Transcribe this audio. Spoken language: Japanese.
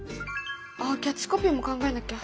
あっキャッチコピーも考えなきゃ。